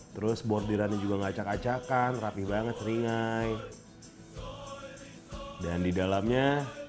terus bordirannya juga ngacak acakan rapih banget seringai dan di dalamnya